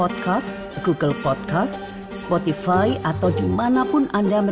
dengan kultur bahasa dan komunikasi